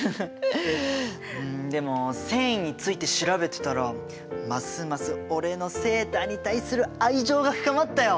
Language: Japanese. でも繊維について調べてたらますます俺のセーターに対する愛情が深まったよ！